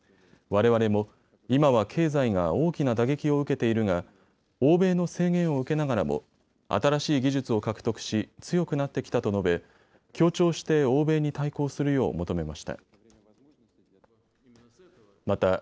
われわれも今は経済が大きな打撃を受けているが欧米の制限を受けながらも新しい技術を獲得し強くなってきたと述べ、協調して欧米に対抗するよう求めました。